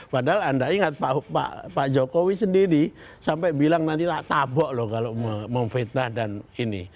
padahal anda ingat pak jokowi sendiri sampai bilang nanti tak tabok loh kalau memfitnah dan ini